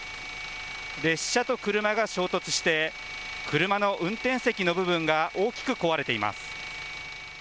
列車と車が衝突して車の運転席の部分が大きく壊れています。